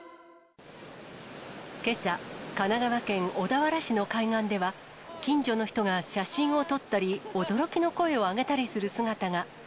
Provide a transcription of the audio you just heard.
けさ、神奈川県小田原市の海岸では、近所の人が写真を撮ったり、驚きの声を上げたりする姿が。